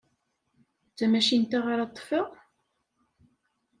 D tamacint-a ara ṭṭfeɣ?